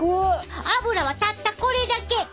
脂はたったこれだけ。